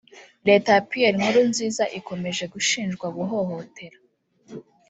Leta ya Pierre Nkurunziza ikomeje gushinjwa guhohotera